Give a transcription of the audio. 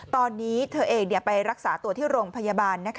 ตอนนี้เธอเองไปรักษาตัวที่โรงพยาบาล